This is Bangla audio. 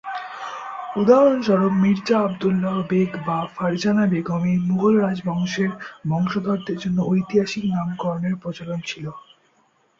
উদাহরণস্বরূপ: মির্জা আবদুল্লাহ বেগ বা ফারজানা বেগম এই মুগল রাজবংশের বংশধরদের জন্য ঐতিহাসিক নামকরণের প্রচলন ছিল।